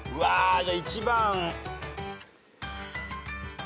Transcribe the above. じゃあ１番。